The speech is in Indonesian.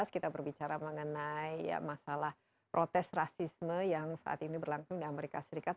kita berbicara mengenai masalah protes rasisme yang saat ini berlangsung di amerika serikat